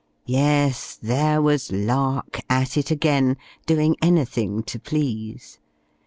Yes! there was Lark, at it again doing anything to please!